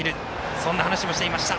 そんな話もしていました。